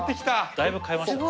だいぶ変えましたね。